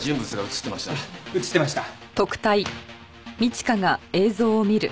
映ってました。